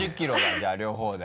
じゃあ両方で。